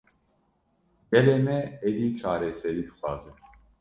Gelê me, êdî çareserî dixwaze